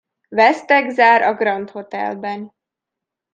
Vesztegzár a Grand Hotelben.